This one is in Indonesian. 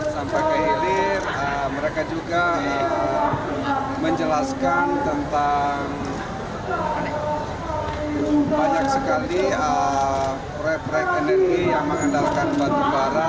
saya menjelaskan tentang banyak sekali proyek proyek energi yang mengandalkan batu bara